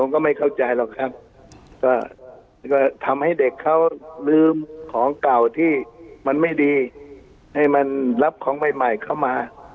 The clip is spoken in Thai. ก็ก็ทำให้เด็กเขาลืมของเก่าที่มันไม่ดีให้มันรับของใหม่ใหม่เข้ามา